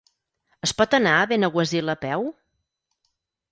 Es pot anar a Benaguasil a peu?